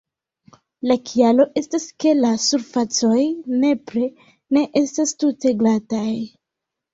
La kialo estas, ke la surfacoj nepre ne estas tute glataj.